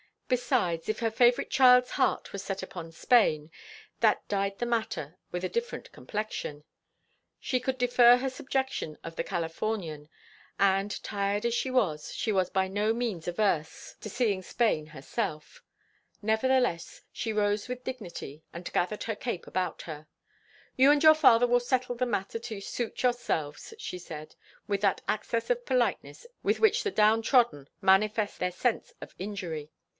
Besides, if her favorite child's heart was set upon Spain, that dyed the matter with a different complexion; she could defer her subjection of the Californian, and, tired as she was, she was by no means averse to seeing Spain herself. Nevertheless, she rose with dignity and gathered her cape about her. "You and your father will settle the matter to suit yourselves," she said, with that access of politeness in which the down trodden manifest their sense of injury.